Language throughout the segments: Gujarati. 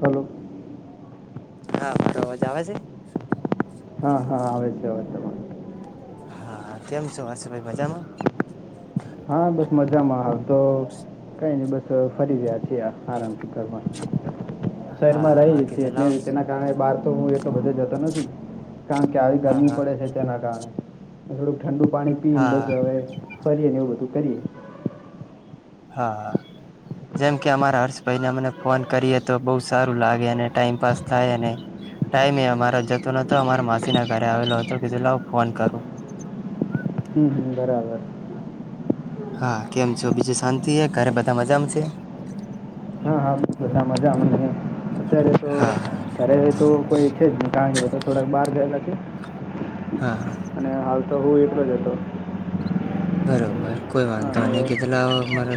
હલોો હા મારો અવાજ આવે છે હા હા આવે છે હવે તમા હા તેમ શ હશે ભાઈ મજામાં હા બસ મજામાં હાલ તો કઈ નહી બસ ફરી રહ્યા છી આરામ થી કરવા શહેરમાં હા રહી છે કીધું એટલે લાવ તેના કારણે બહાર તો હું એટલો બધા જતો નથી કારણ ક્યારે હા ગરમી હા પડે છે તેના કારણે થોડું ઠંડુ પાણી પીને હા બસ હવે ફરીએને એવું બધું કરીએ હા જેમ કે અમારા હર્ષ ભાઈને અને ફોન કરીએ તો બહ સારું લાગે ટાઈમપાસ થાયને ટાઈમ એ અમારે જતો નતો અમારા માસી ના ઘરે આવેલો હતો કીધું લું ફોન કરું હમ હમ બરાબર હા કેમ છો બીજું શાંતિ છે ઘરે બધા મજામાં છે હા હા બલકુ સા મજામાં અત્યારે તો હા ત્યારે તો કોઈ છે જ નને કારણ કે બધા થોડાક બહાર ગયેલા છે હા હા અને હાલ તો હું એકલો જતોો બરોબર કોઈ [unintelligible] ન કેટેલા મારે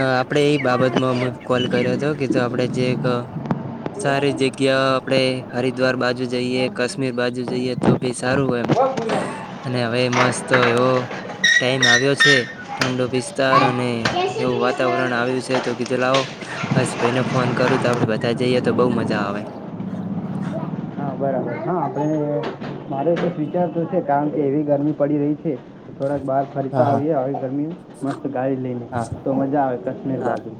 અ આપણે એ બાબતમાં કોલ કર્યો હતો કે જો આપણે જે એક. સારી જગ્યા આપણેે હરિદ્વાર બાજુ જઈએ કાશ્મીર બાજુ જઈએ તો બી સારું હો એમ. અને હવે મસ્ત એવો. ટાઈમ આવ્યો છે, ઠંડો વિસ્તાર અને. બસ જય એવું શ્રી વાતાવરણ આવ્યું કૃષ્ણ છે, તો કીધું લાવો બસ ભાઈને ફોન કરું તો આપડે બધા જઈએ તો બઉુ મજા આવે. હા [unintelligible] બરાબર હા આપણે મારે તો [unintelligible] છે, કારણ કે એવી ગરમી પડી રહી છે. થોડાક બહાર ફરતા હા હા આવીએ હવે ગરમી મસ્ત ગાડી લઈને હા તો મજા આવે કાશ્મીર બાજુ.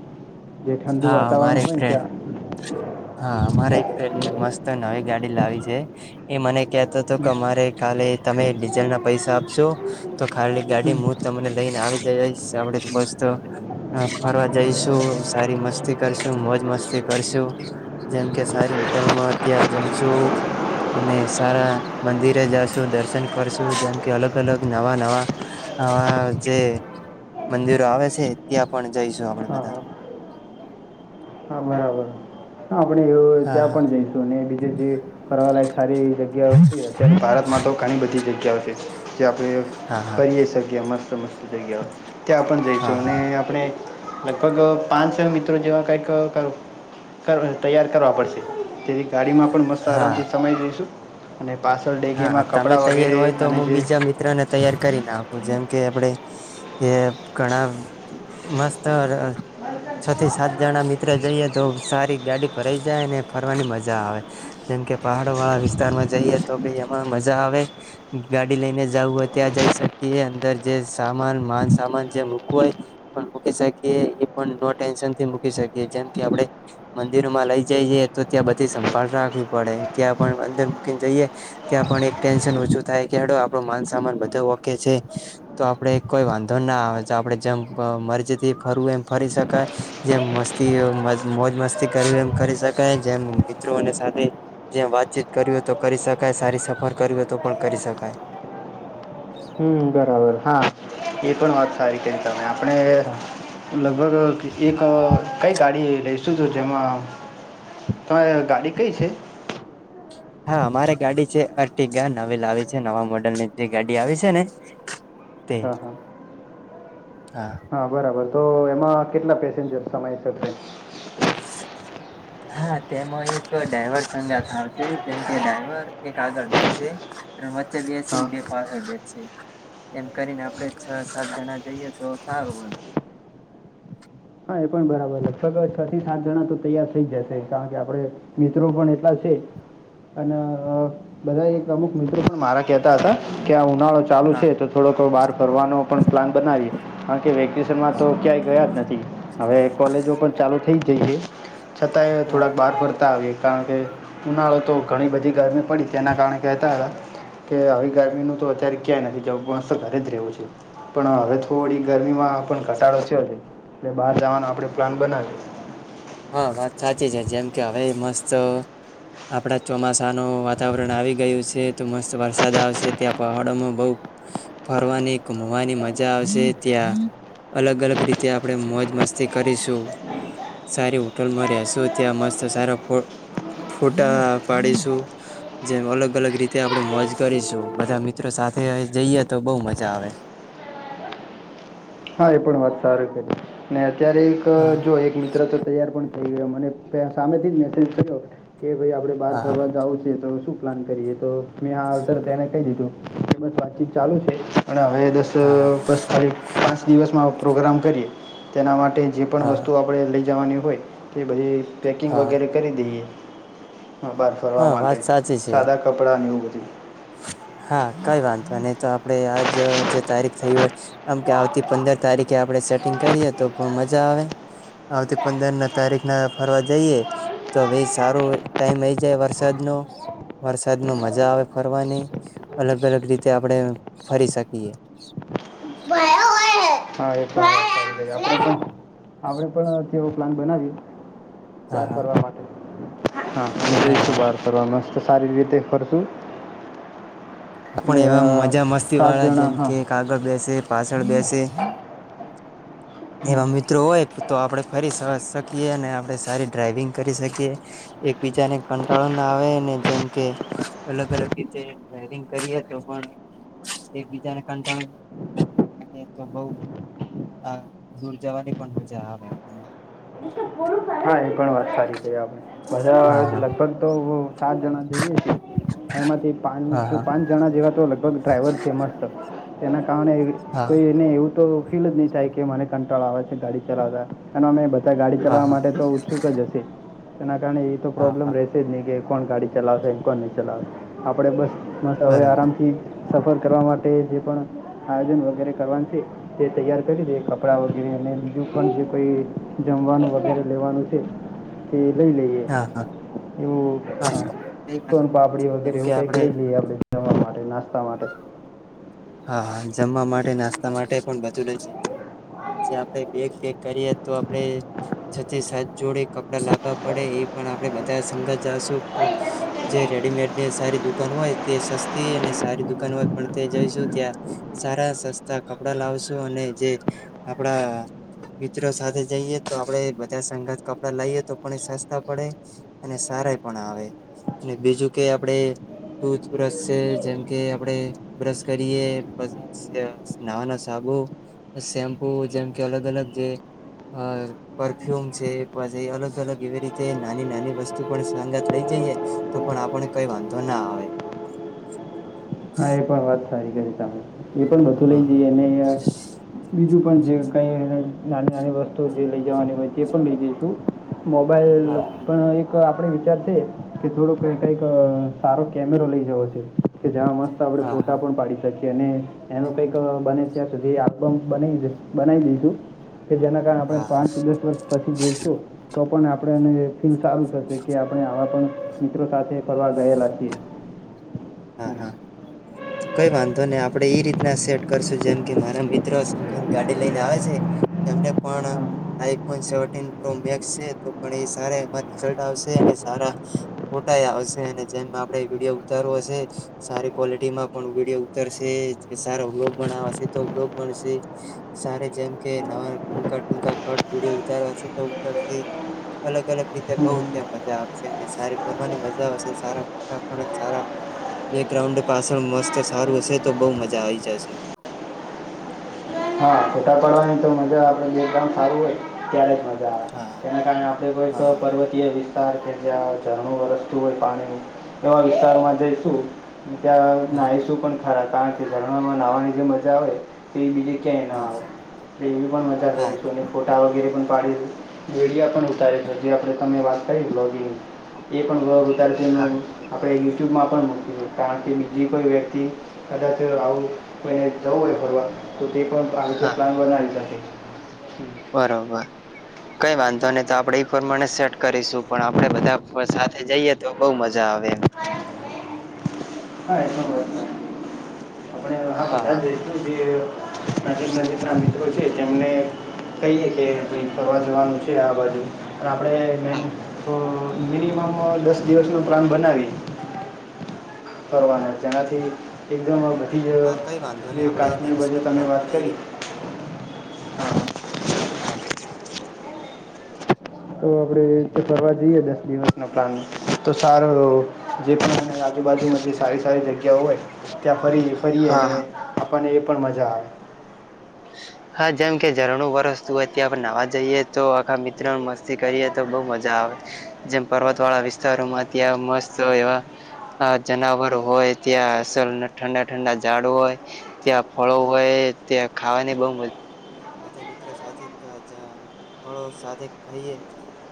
જે ઠંડુ હારે વાતાવરણ હોય ત્યાં [unintelligible] એક [unintelligible] મસ્તવી ગાડી. લાવી છે, એ મને કતો હતો કે અમારે કાલે તમે ડીઝલ ના પૈસા આપશો. તો ખાલી ગાડી હમ. હું તમને લઈને આવી. જઈશ આપડે [unintelligible] ફરવા જઈશુ. સારી મસ્તી કરશુ મોજ મસ્તી કરશું જેમ કે સારી હોટલમાં [unintelligible] જમશુ. અને સારા મંદિરે જશુ દર્શન કરશું જેમ કે અલગ અલગ નવા નવા. હ જે મંદિરો આવે છે, ત્યાં પણ જઈશું આપડે હા બધા. હા હા બરાબર આપણે [unintelligible] હા ત્યાં પણ જઈશું અને બીજે જે ફરવા લયક સારી જગ્યા ભારતમાં તો ઘણી બધી જગ્યાઓ છે, જે આપણે હા હા ફરીએ શકીએમ. સમસ્ત [unintelligible] ત્યાં પણ હા જઈશું અને હા આપણે. લગભગ પાંચ મિત્રો જેવા કઈક [unintelligible] કર તૈયાર કરવા પડશે તેથી ગાડીમાં પણ મસ્ત હા આરામથી સમાઈ જઈશું અને. પાછળ હા ડેગીમાં તમે કપડાં તૈયાર વગેરે હોય તો અને હું જે બીજા મિત્રો ને તૈયાર કરીને આવ જેમ કે આપડે એ ઘણા મસ્ત છ થી સાત જણા મિત્ર જઈએ તો સારી ગાડી પરઈ જાય ને ફરવાની મજા આવે. જેમ કે પહડ વાળ વિસ્તારમાં [unintelligible] તો [unintelligible] એમાં મજા આવે ગાડી લઈને જવું હોય ત્યાં જઈ શકીએ અંદર જે સામાન. માન સામાન જે મક હોય મકી શકીએ એ પણ ટેન્શન થી મૂકી શકીએ જેમ કે આપણે. મંદિરોમાં લઈ જઈએે તો ત્યાં બધી સંભાળ રાખવી પડે ત્યાં પણ અંદર મૂકીને જઈએ. ત્યાં પણ એક ટેન્શન ઓછું થાય કે હડ આપડો માન સામાન બધો ઓકે છે, તો આપડે કોઈ વાત વાંધો ના આવે તો આપડે [unintelligible] મરજીથી ફરવુંય એમ ફરી શકાય જેમ મસ્તી. મોજ મસ્તી કર એમ કરી શકાય જેમ મિત્રોને સાથે જેમ વાતચીત કર્યું હો તો કરી શકાય. સારી સફર કરવી હો તો પણ કરી શકાય. હ બરાબર હા એ પણ વાત સારી [unintelligible] આપણે હા લગભગ એક કઈ ગાડી. લઈ શું તો જેમાં તમારે ગાડી કઈ છે. હા અમારે ગાડી છે, અર્ટગા નવી લાવી છે, નવા મોડેલ ની જે ગાડી આવી છે, ને. તે હા હા હા બરાબર તો એમાં કેટલા પેસેન્જર સમાય [unintelligible] [inaudible] હા તેમાં એક ડ્રાઈવર સંગાથ આવશે જેમકે ડ્રાઈવર એક આગળ બેસશે હા બેસી [unintelligible] એમ કરીને આપણે છ સાત જણા જઈએ [unintelligible] સારું હોય. [inaudible] એ પણ બરાબર લગભગ છ થી સાત જણા તો તૈયાર થઈ જશે કારણ કે આપડ મિત્રો પણ એટલા છે. અને બધા એક અમુક મિત્રો મારા કેહેતા હતા કે આ ઉનાળો ચાલુ હા છે, તો થોડોક બાર. કરવાનો પણ પ્લાન બનાવીએ કારણ કે વેકેશનમાં હા તો ક્યાંય ગયા જ નથી. હવે કોલેજો પણ ચાલુ થઈ જ જઈ છે, છતાંય હા થોડાક બહાર ફરતા આવ કારણ કે ઉનાળો તો ઘણી બધી ગરમી પડી તેના કારણે કહેતા હતા. કે આવી ગરમી નું તો અત્યારે ક્યાંય નથી જણ તો ઘરે જ રહેવું છે, પણ હવે થોડી ગરમીમાં પણ ઘટાડો છેયો છે એટલે બહાર જવાનો આપણે પ્લાન બના હા વાત સાચી છે જેમ કે હવે મસ્ત આપણા ચોમાસાનું વાતાવરણ આવી ગયું છે તો મસ્ત વરસાદ આવશે ત્યાં પહાડોમાં બહુ ફરવાની ઘુમવાની મજા આવશે ત્યાં અલગ અલગ રીતે આપણે મોજ મસ્તી કરીશું સારી હોટલમાં રહેશું ત્યાં મસ્ત સારા ફ ફોટા પાડીશું જેમ અલગ અલગ રીતે આપડે મોજ કરીશું બધા મિત્રો સાથે સાથે જઈએ તો બહુ મજા આવે હા એ પણ વાત સાર કરી ને અત્યારે એક હા જો એક મિત્ર તો તૈયાર પણ એ ગ મને પ સામેથી જ મેસેજ થયો કે ભાઈ આપણે બહાર હા ફરવા જવં છેીએ તો શું પ્લાન કરીએ તો મેં આને કહી દીધું બસ વાતચીત ચાલુ છે અને હવે દસ હા હા બસ કરી દિવસમાં પ્રોગ્રામ કરીએ તેના માટે જે પણ હા વસ્તુ આપણે લઈ જવાની હોય તે બધી પેકિંગ હા વગેરે કરી દઈએ બહાર ફરવા હા માટે વાત સાચી છે સાદા કપડાંની ઉગર હા કઈ વાંધો ન તો આપડે આજ જે તારીખ થય હોય આમકે આવતી પંદર તારીખે આપડે સેટિંગ કરીએે તો મજા આવે આવતી પંદર ના તારીખ ના ફરવા જઈએ તો ભ સારું ટાઈમ આઈ જાય વરસાદ વરસાદમાં મજા આવે ફરવાની અલગ અલગ રીતે આપણે ફરી શકીએ બયા હો આપણે પણ એવો પ્લાન બનાવી હા બહાર હા ફરવા માટે હા હા હશું હા બાર ફરવા મસ્ત સારી રીતે ફરશું આપણ અને એવા અ, મજા મસ્તી સાત વાળા જણા જેમ હા કે કાગળ બેસે પાછળ બેસે એમાં મિત્રો હોય તો આપડણે ફરી શકીએ અને આપણે સારી ડ્રાાઈવિંગ કરી શકીએ એકબીજાને કંટાળો ના આવે ને જેમ કે અલગ અલગ રીતે ડવિંગ કરી હત પણ એકબીજાને કંટાળ તો બ હ દૂર જવાની પણ મજા આવે હ એ પણ વા સારી ક આપણે બધા હા લગભગ તો સાત જણા જઈએ એમાંથી હા પાંચ હા પાંચ જણા જેવા તો લગભગ ડ્રાઈવર છે મસ્ત તેના કારણે હા કોઈ એને એવું તો ફી જ નહી થાય કે મને કંટ્રોલ આવે છે ગાડી ચલાવતા અને અમે બધા ગાડી હા હા ચલાવવા હા માટે તો ઉત્સુક જ એના કારણે એ તો હા પ્રોબ્લેમ હા રહેશે જ નહી કે કોણ ગાડી ચલાવશે કોણ નહીં ચલાવશે આપણે બસમાં હવે બરોબર આરામથી સફર કરવા માટે જે પણ આયોજન વગેરે કરવાનું છે તે તૈયાર કરી દે કપડાં વગેરે અને બીજું પણ જે કોઈ વાનું વગેરે લેવાનું છે કે લઈ લઈએ હા હા એવું હ હા સોન પાપડી વગેરે જેમ કે એવું કઈક આપણે લઈ લઈએ આપડે જવા માટે નાસ્તા માટે હા હા જમવા માટે નાસ્તા માટે પણ બધું લ જ જે આપણેે બેગેગ કરીએ તો આપણે છતી સાત જોડે કપડા લાંબા પડે એ પણ આપે બધા સંઘ જાશું જે રેડીમેડને સારી દુકાન હોય તે સસ્તી અને સારી દુકાાન વા પણ તે જઈશું ત્યા સારા સસ્તા કપડા લાવશો અને જે આપડા મિત્રો જઈએ તો આપડે બધા સંગત કપડા લઈએ તો પણ સસ્તા પડે અને સારા પણ આવે અને બીજું કે આપડે ટુથ બ્રશ છે જેમ કે આપડે બ્ર કરીએ પછી નાવા ના સાબુ સેમ્પુ જેમ કે અલગ અલગ જે અ પરફ્યુમ છે પછી અલગ અલગ એવી રીતે નાની નાની વસ્તુ પણ સંગાત લઇ જ ઈએ તો પણ આપણે કઈ વાંધો ના આવે. હા એ પણ વાત એ પણ બધું લઈ હા જઈ અને બીજું પણ જે કઈ નાની નાની વસ્તુ જે લઈ જવાની હોય તે પણ લઈ જઈશું. મોબાઈલ હા હા પણ એક આપ વિચાર છે, કે થોડો કઈ કઈક સારો કેમેરો લઈ જવો છે કે જેમાં મસ્ત હા-હા. શ અને એનું કઈક બને ત્યાં સુધી આલ્બમ બના બનાવી દીધું. કે જેના કારણે આપણે હા હા પાંચ દસ વર્ષ પછી જોઈશું, તો પણ આપણે એને ફિલ સારું થશે કે આપણે આવા પણ મિત્રો સાથે ફરવાર ગયેલા છીએ. હમ. હા-હા. કઈ વાંધો નહી આપડે એઈ રીતના સેટ કરશું જેમ કે મારા મિત્રો ગાડી લઈને આવે છે. એને પણ હા આઈફોન સેવનટીન પ્રમેક છે, એ સ એ રલ્ટ આવશે. સારા ફોટા આવશે અને જેમ આપડે વિડીયો ઉતારવો હશે. સારી ક્વોલિટી માં પણ વિડીયો ઉતરશે સારો વ્લોગ બશે તો વલોગ બનશે. સારે જેમ કે નવા ટૂંકા-ટૂકા કટ વિડીયો ઉતારવા તો ઉતરતી અલગ અલગ રીતે બઉ ત્યા મજા આવશે અને સારી ફરવાની મજા આવશે સારાટા પણ સારા બેગ્રાઉન્ડ પાછળ મસ્ત સારું હશે તો બહુ મજા આવી જશે. હા ફોટા પાડવાની તો મજા આપડેામ સારું હોય, ત્યારે મા હા તેના કારણે આપણે કોઈ હા પર્વતીય વિ સંચાર કે જ્યાં ઝરણું વરસ્તું હોય પાણી ન એવા વિસ્તારમાં જઈશું. ત્યાં હા નાહીશું પણ ખરા કારણ કે ઝરણામાં નાહવાની જે મજા આવે, તે એ બીજે ક્યાંય હા નવા આવે. એવી પણ મજા હા કરીશું અને ફોટા વગેરે. પાડી વેડિયા પણ ઉતારી છે જે આપણે તમે વાત બ્લોગ ગીગ એ પણ વ્લોગ ઉતારે છે, એ હા આપણે યુટ્યુબમાં પણ મૂકું કારણ કે જે કોઈ વ્યક્તિ કદાચ આવું કોઈને જવું હોય ફરવા તો તે પણ હા લંગ આવી છે. બરોબર. કઈ વાંધો નહી તો આપડે એઈ પ્રમાણે સેટ કરીશું પણ આપડે બધા સાથે જઈએ તો બઉુ મજા આવે. હા એ સ એ હા જીક નજીક ના મિત્રો છે તેમને થઈએ કે ફરવા જવાનું છે આ બાજુ આપણે મે હા. મિનિમમ દસ દિવસ ન પ્લાન બનાવી. ફરવાના જેનાથી એકદમ જ હા કઈ વાંધો જે નહી આપડે એ કાશ્મીર દિવસ બાજુ નો તમે પ્લાન વાત કરી. બનાવીએ હા. હા. તો આપડે રીતે કરવા જઈએ દસ દિવસ નો પ્લાન સારો જે પણ આજુબાજુમાં જે સારી સારી જગ્યાઓ હોય ત્યાં ફરી ફરીએ ને હા આપણને એ પણ મજા આવે. હા જેમ કે ઝરણું વરસતું હોય ત્યાં આપણે નવા જઈએ તો આખા મિત્ર મસ્તી કરીએ તો બઉ મજા આવે જેમ પર્વત વાળા વિસ્તારોમાં ત્યાં મસ્ત એવા. આ જનાવર હોય, ત્યાં અસલ ઠંડા ઠંડા ઝાડ હોય, ત્યાં ફળો હોય. ત્યાં ખાવાની બહુ મજા. બધા મિત્રો સાથે થોડો સાથે ખાઈએ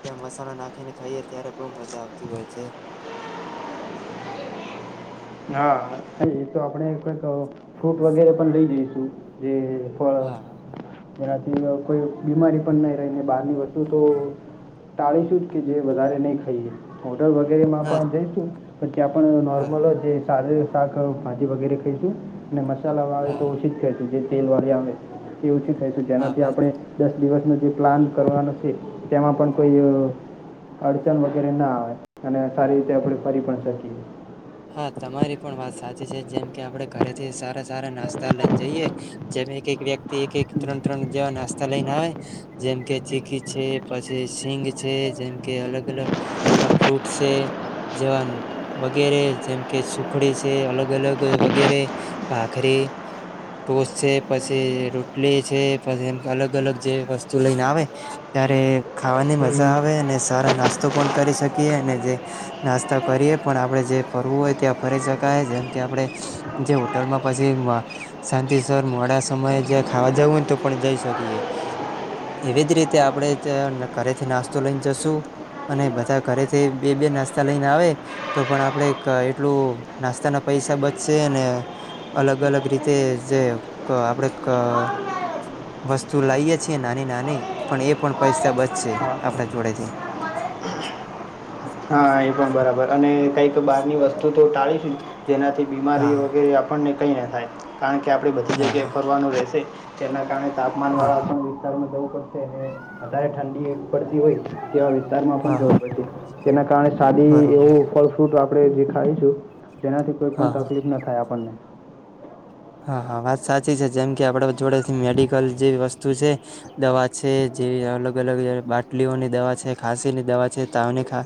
ત્યાં મસાલા નાખીને. થઈએ ત્યારે બહ મજા આવતી હોય છે. હા ન એ તો આપડે કઈક ફ્રૂટ વગેરે પણ લઈ જઈશું. જે હા. એનાથી કોઈ બીમારી પણ નહીં રહીને બહારની વસ્તુ તો ટાળી સૂટ કે જે વધારે નહી ખાઈએ ઓડર વગેરેમાં હા પણ જઈશું પછી આપણ હા નોર્મલ જે શાક ભાજી વગેરે ખાઈશું અને મસાલા વાવે હા તો હા ઓછી જ ખશું તેલ વાળી આવે એ ઓછી લઈશું હા જેનાથી વાત આપણે દસ દિવસનું જે પ્લાન કરવાનો છે તેમાં પણ કોઈ અડચણ વગેરે ના આવે અને સારી રીતે આપણે ફરી પણ શકી હા તમારી પણ વાત સાચી છે જેમ કે આપડે ઘરેથી સારા સારા નાસ્તા લઈને જઈએ એક એક વ્યક્તિ એક એક ત્રણ ત્રણ જેવા નાસ્તા લઈને આવે જેમ કે ચીકી છે પછી સિંગ છે જેમ કે અલગ અલગ ફ્રૂટ છે જેવા વગેરે જેમ કે સુખડી છે અલગ અલગ વગેરે ભાખરી ઢોસ છે પછી રોટલી છે પછી એમ અલગ અલગ જે વસ્તુ લઈને આવે ત્યારે ખાવાની મજા આવે અને સારા નાસ્તો પણ કરી શકીએ અને જે નાસ્તા કરીએ પણ આપણે જે ફરવું હોય ત્યાં ફરી શકાય જેમ કે આપણે જે હોટલમાં પછી શાંતિ સ્ર મો થો સમયે જ ખાવા જવું હોને તો પણ જઈ શકીએે એવી જ રીતે આપણેે ઘરેથી નાસ્તો લઈને જશુ અને બધા ઘરેથી બે બે નાસ્તા લઈને આવે તો પણ આપડે એટલું નાસ્તાના પૈસા બચશે ને અલગ અલગ રીતે જે આપડે વસ્તુ લાઈએ છીએ નાની નાની પણ એ પણ પૈસા બચશે આપણા જોડેથી [unintelligible] હા એ પણ બરાબર અને કંઈક બહારની વસ્તુ તો ટાળીશું જેનાથી બીમારી હા વગેરે આપણને કંઈ ન થાય કારણ કે આપણે બધી હા જગ્યાએ હા ફરવાનું રહેશે જેના કારણે હા તાપમાનવાળા પણ વિસ્તારમાં જવું પડશે હ વધારે ઠંડીવી પડતી હોય કેવા વિસ્તારમાં હા પણ હા જવું પડશે તેના કારણે સાદી બરોબર એવું ફલ ફ્રૂટ આપણે જે ખાઈશું તેનાથી કોઈ હા પણ હા તકલીફ ના થાય આપણને હા વાત સાચી છે જેમ કે આપણે જોડેથી મેડિકલ જેવી વસ્તુ છે દવા છે જેવી ત્યા અલગ અલગ બાટલીઓની દવા છે ખાંસીની દવા છે તાવની ખા